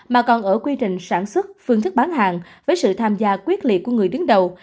mà còn ở quy trình sản xuất phương thức bán hàng với sự tham gia quyết liệt của người đứng đầu